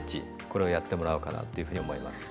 これをやってもらおうかなっていうふうに思います。